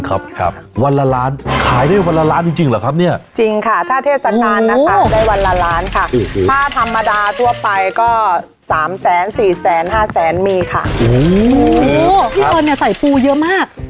มันละล้านค่ะถ้าธรรมดาทั่วไปก็สามแสนสี่แสนห้าแสนมีค่ะโอ้พี่เอิญเนี่ยใส่ปูเยอะมาก